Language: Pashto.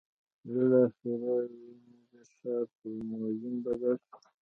بالاخره وینز ښار پر موزیم بدل شو.